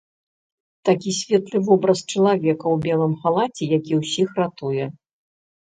Такі светлы вобраз чалавека ў белым халаце, які ўсіх ратуе.